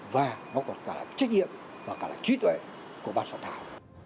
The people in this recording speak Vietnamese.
và nó có cả trách nhiệm và cả trí tuệ của bác sở thảo